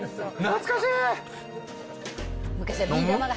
懐かしい。